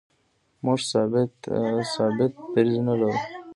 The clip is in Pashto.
موږ ثابت دریځ نه لرو.